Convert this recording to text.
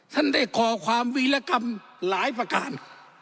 ท่านได้ก่อความวิรกรรมหลายประการ